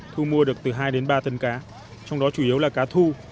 thu mua được từ hai đến ba thân cá trong đó chủ yếu là cá thu